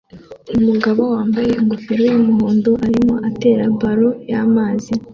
Umugabo wambaye ingofero yumuhondo arimo atera ballon yamazi